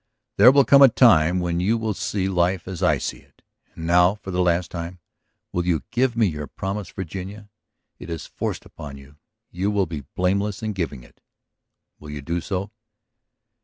"There will come a time when you will see life as I see it. ... And now, for the last time, will you give me your promise, Virginia? It is forced upon you; you will be blameless in giving it. Will you do so?"